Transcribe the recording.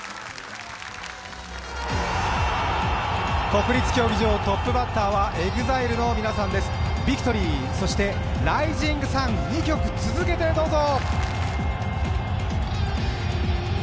国立競技場トップバッターはＥＸＩＬＥの皆さんです、「ＶＩＣＴＯＲＹ」、そして「ＲｉｓｉｎｇＳｕｎ」、２曲続けてどうぞ。